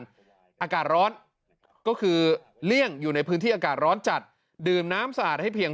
อากาศร้อนก็คือเลี่ยงอยู่ในพื้นที่อากาศร้อนจัดดื่มน้ำสะอาดให้เพียง